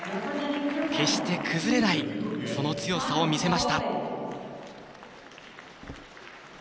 決して崩れないその強さを見せました。